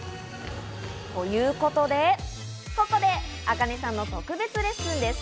ということで、ここでａｋａｎｅさんの特別レッスンです。